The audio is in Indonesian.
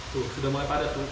tuh sudah mulai padat tuh